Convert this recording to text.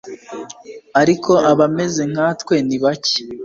Ariko abameze nkatwe ni bake